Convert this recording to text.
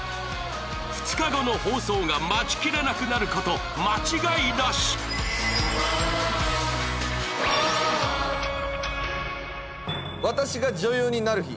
２日後の放送が待ちきれなくなること間違いなし「私が女優になる日」